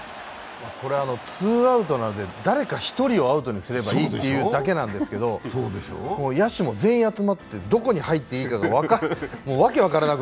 これツーアウトなんで、誰か１人をアウトにすればいいってだけなんですけど、野手も全員集まって、どこに入っていいかが分からない。